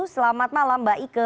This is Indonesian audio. selamat malam mbak ike